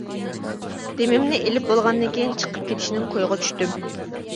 دىمىمنى ئېلىپ بولغاندىن كېيىن چىقىپ كېتىشنىڭ كويىغا چۈشتۈم.